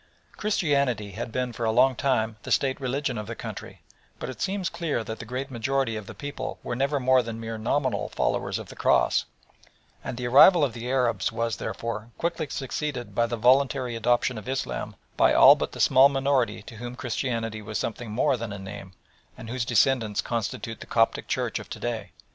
Christianity had been for a long time the State religion of the country, but it seems clear that the great majority of the people were never more than mere nominal followers of the Cross, and the arrival of the Arabs was, therefore, quickly succeeded by the voluntary adoption of Islam by all but the small minority to whom Christianity was something more than a name and whose descendants constitute the Coptic Church of to day.